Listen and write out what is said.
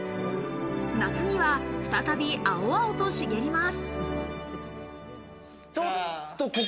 夏には再び青々と茂ります。